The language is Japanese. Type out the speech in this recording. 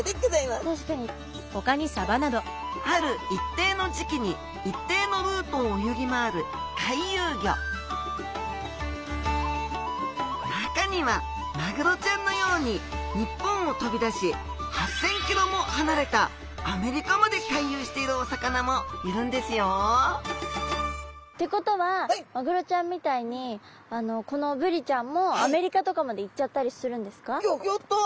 ある一定の時期に一定のルートを泳ぎ回る回遊魚中にはマグロちゃんのように日本を飛び出し８０００キロも離れたアメリカまで回遊しているお魚もいるんですよってことはマグロちゃんみたいにこのブリちゃんもギョギョッと！